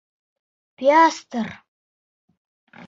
Пиастр!